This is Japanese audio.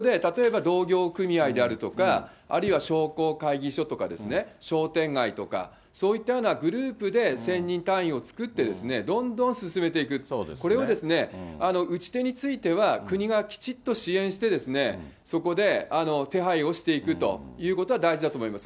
こういう方々に対しても、先ほど宮根さんおっしゃったような、グループを作って、そこで例えば同業組合であるとか、あるいは商工会議所とかですね、商店街とか、そういったようなグループで１０００人単位を作ってどんどん進めていく、これを打ち手については国がきちっと支援して、そこで手配をしていくということは大事だと思います。